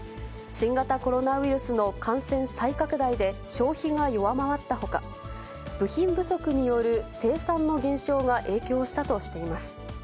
新型コロナウイルスの感染再拡大で消費が弱まったほか、部品不足による生産の減少が影響したとしています。